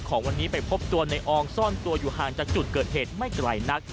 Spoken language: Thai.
ทหารในอองซ่อนตัวอยู่ห่างจากจุดเกิดเหตุไม่ไกลนัก